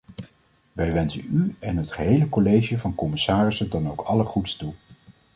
Wij wensen u en het gehele college van commissarissen dan ook alle goeds toe.